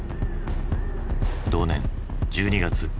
同年１２月。